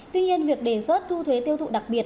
tuy nhiên việc đề xuất thu thuế tiêu thụ đặc biệt